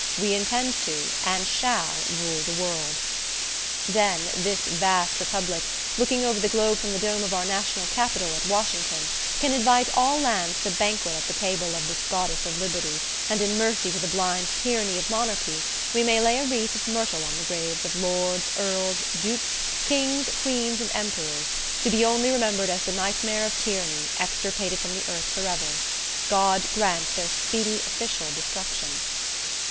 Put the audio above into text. We intend to, and shall rule the world! Then, this vast Republic, looking over the globe from the dome of our national Capitol, at Washington, can invite all lands to banquet at the table of the Goddess of Liberty, and in mercy to the blind tyranny of monarchy we may lay a wreath of myrtle on the graves of lords, earls, dukes, kings, queens and emperors, to be only remembered as the nightmare of tyranny, extirpated from the earth forever. God grant their speedy official destruction!